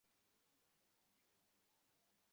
আর কতক্ষণে নামব?